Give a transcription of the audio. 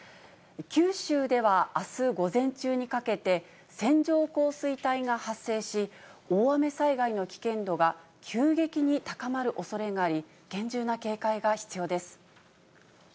九州ではあす午前中にかけて、線状降水帯が発生し、大雨災害の危険度が急激に高まるおそれがあり、厳重な警戒が必要です。